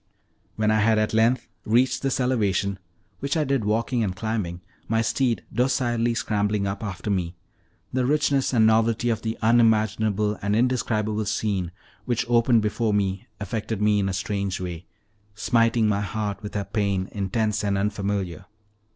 When I had at length reached this elevation, which I did walking and climbing, my steed docilely scrambling up after me, the richness and novelty of the unimaginable and indescribable scene which opened before me affected me in a strange way, smiting my heart with a pain intense and unfamiliar.